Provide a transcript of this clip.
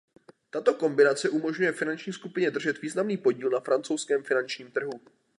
Tato kombinace umožňuje finanční skupině držet významný podíl na francouzském finančním trhu.